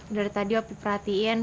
dari tadi opi perhatiin